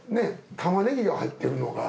玉ねぎが入ってるのが。